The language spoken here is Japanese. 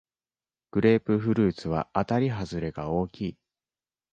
グレープフルーツはあたりはずれが大きい